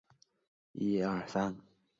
她的哥哥原田宗典也是小说家。